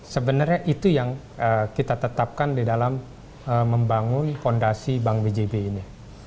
sebenarnya itu yang kita tetapkan di dalam membangun fondasi bank bjb ini